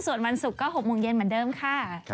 ส่วนวันศุกร์ก็๖โมงเย็นเหมือนเดิมค่ะ